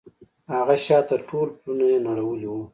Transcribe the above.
هغه شاته ټول پلونه يې نړولي وو.